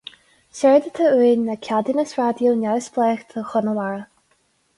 Séard atá uainn ná ceadúnas raidió neamhspleách do Chonamara.